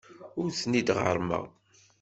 Ur ten-id-ɣerrmeɣ.